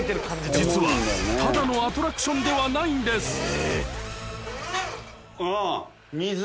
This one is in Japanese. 実はただのアトラクションではないんです。